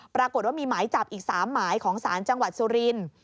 ปรากฏว่ามีหมายจับอีก๓หมายของศาลจังหวัดสุรินทร์